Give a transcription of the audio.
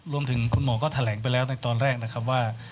รวมถึงคุณหมอก็แถลงไปแล้วในตอนแรกนะครับว่า